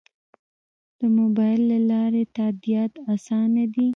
د موبایل له لارې تادیات اسانه دي؟